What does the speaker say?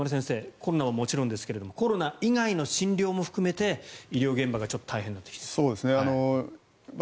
コロナはもちろんですがコロナ以外の診療も含めて医療現場が大変になってきていると。